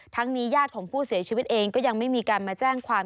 นี้ญาติของผู้เสียชีวิตเองก็ยังไม่มีการมาแจ้งความ